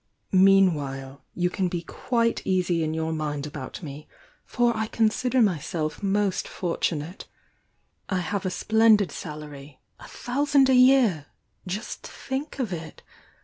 Meanwhile, you can be quite easy in your mind I 120 THE YOUNG DIANA about me, for I consider myself most fortunate. I have a splendid salary — a thousand a year! — just think of it!